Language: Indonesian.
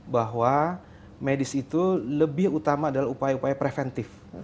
bahwa medis itu lebih utama adalah upaya upaya preventif